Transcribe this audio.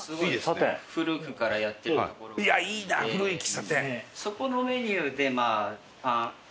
いやいいな古い喫茶店。